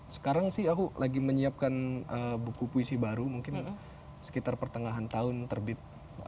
sekarang sih aku lagi menyiapkan buku puisi baru mungkin sekitar pertengahan tahun terbit